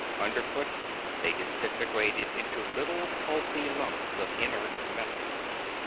Under foot, they disintegrated into little pulpy lumps of inert metal.